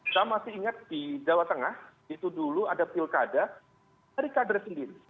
saya masih ingat di jawa tengah itu dulu ada pilkada dari kader sendiri